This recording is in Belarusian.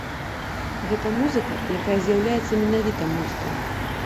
Гэта музыка, якая з'яўляецца менавіта музыкай.